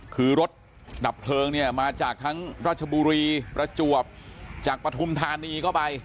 คือรถดับเพลิงเนี่ยมาจากทั้งราชบุรีประจวบจากปฐุมธานีก็ไป